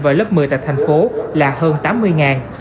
vào lớp một mươi tại tp hcm là hơn tám mươi